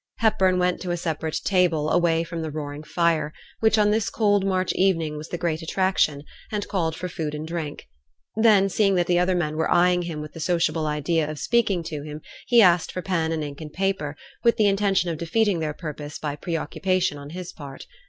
Hepburn went to a separate table, away from the roaring fire, which on this cold March evening was the great attraction, and called for food and drink. Then seeing that the other men were eyeing him with the sociable idea of speaking to him, he asked for pen and ink and paper, with the intention of defeating their purpose by pre occupation on his part.